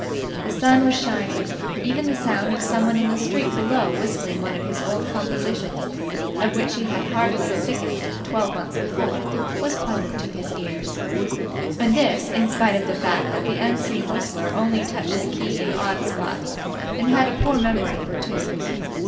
The sun was shining. Even the sound of someone in the street below whistling one of his old compositions, of which he had heartily sickened twelve months before, was pleasant to his ears, and this in spite of the fact that the unseen whistler only touched the key in odd spots and had a poor memory for tunes.